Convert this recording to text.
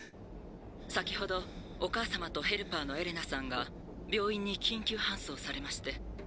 先ほどお母様とヘルパーのエレナさんが病院に緊急搬送されまして。